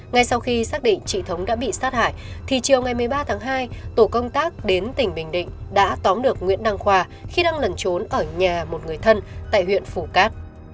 ngay sau khi xác định chị thống đã bị sát hại thì chiều ngày một mươi ba tháng hai tổ công tác đến tỉnh bình định đã tóm được nguyễn đăng khoa khi đang lẩn trốn ở nhà một người thân tại huyện phủ cát